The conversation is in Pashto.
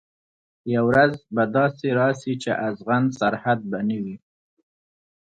یوه ورځ به داسي راسي چي اغزن سرحد به نه وي